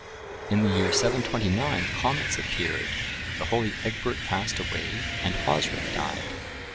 ] In the year 729, comets appeared; the holy Egbert passed away; and Osric died.